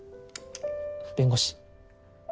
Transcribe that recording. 弁護士。